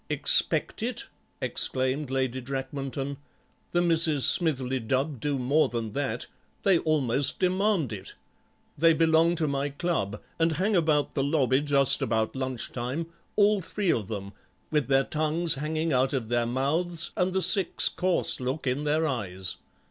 "Expect it!" exclaimed Lady Drakmanton; "the Misses Smithly Dubb do more than that; they almost demand it. They belong to my club, and hang about the lobby just about lunch time, all three of them, with their tongues hanging out of their mouths and the six course look in their eyes.